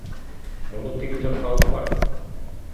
Муну тигил жакка алып бар!